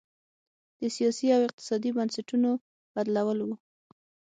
د سیاسي او اقتصادي بنسټونو بدلول و.